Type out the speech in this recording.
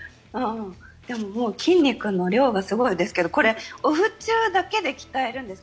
でも、筋肉の量がすごいですけどこれ、オフ中だけで鍛えるんですか？